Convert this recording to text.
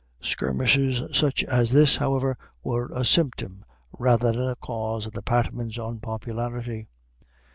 Skirmishes such as this, however, were a symptom rather than a cause of the Patmans' unpopularity.